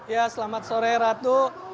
ya selamat sore ratu